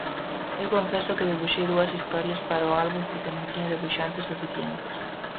Eu confeso que debuxei dúas historias para o álbum porque non tiña debuxantes suficientes.